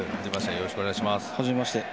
よろしくお願いします。